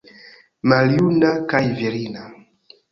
Maljuna, kaj virina.